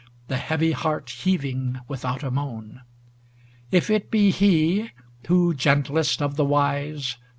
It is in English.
The heavy heart heaving without a moan^ If it be He, who, gentlest of the wise.